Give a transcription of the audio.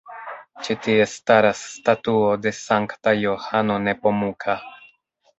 Ĉi tie staras statuo de Sankta Johano Nepomuka.